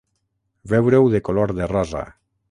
Veure-ho de color de rosa.